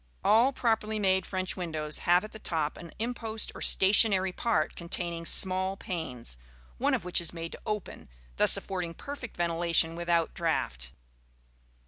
All properly made French windows have at the top an impost or stationary part containing small panes, one of which is made to open, thus affording perfect ventilation without draught.